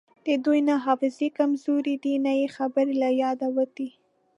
د دوی نه حافظې کمزورې دي نه یی خبره له یاده وتې